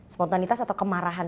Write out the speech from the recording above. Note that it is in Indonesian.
spontanitas atau kemarahan